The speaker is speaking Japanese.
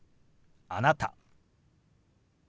「あなた」。